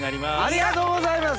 ありがとうございます。